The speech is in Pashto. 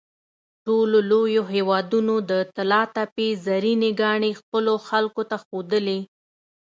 ټولو لویو هېوادونو د طلاتپې زرینې ګاڼې خپلو خلکو ته ښودلې.